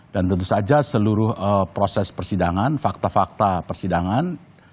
dan tentu saja seluruh proses persidangan fakta fakta persidangan